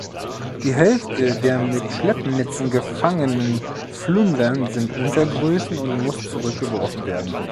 Die Hälfte der mit Schleppnetzen gefangenen Flundern sind Untergrößen und muss zurückgeworfen werden.